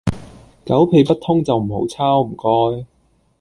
狗屁不通就唔好抄，唔該